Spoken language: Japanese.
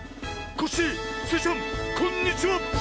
コッシースイちゃんこんにちは！